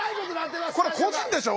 これ個人でしょ？